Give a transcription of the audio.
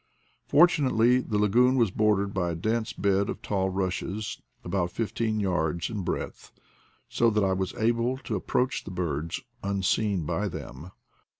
Fortunately the lagoon was bordered by a dense bed of tall rushes, about fifteen yards in breadth, so that I was able to approach the birds unseen by them.